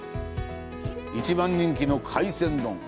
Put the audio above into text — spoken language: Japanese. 一番人気の海鮮丼。